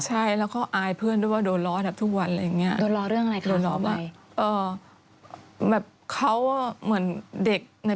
สมัยนั้นเข้าตัวใหญ่กับเพื่อนอะไรอย่างเนี้ยค่ะอืมเขาก็เลยอาย